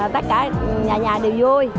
tất cả nhà nhà đều vui